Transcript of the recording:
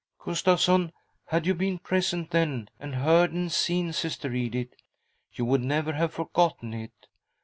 " Gustavsson, had you been present then, and heard and seen Sister Edith, you would never have forgotten it.